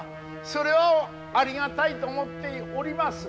それはありがたいと思っております。